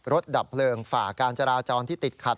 รถดับเปลืองฝาการจราวจอนที่ติดขัด